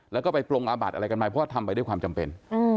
แล้วก็ไปปรงอาบัดอะไรกันมาเพราะว่าทำไปด้วยความจำเป็น